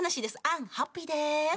アンハッピーです。